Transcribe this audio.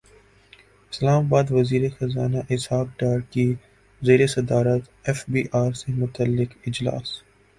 اسلام اباد وزیر خزانہ اسحاق ڈار کی زیر صدارت ایف بی ار سے متعلق اجلاس